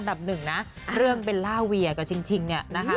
หนึ่งนะเรื่องเบลล่าเวียกับชิงเนี่ยนะคะ